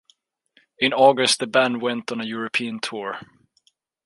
In August the band went on a European tour.